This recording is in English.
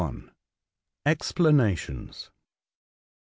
EXPLANATIONS.